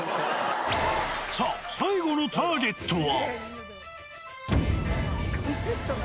さあ、最後のターゲットは。